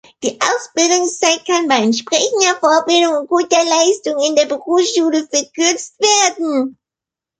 Die Ausbildungszeit kann bei entsprechender Vorbildung und guter Leistung in der Berufsschule verkürzt werden.